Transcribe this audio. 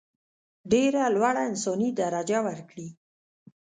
ډېره لوړه انساني درجه ورکړي.